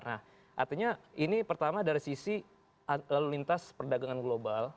nah artinya ini pertama dari sisi lalu lintas perdagangan global